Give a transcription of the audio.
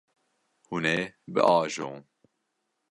Hûn ê biajon.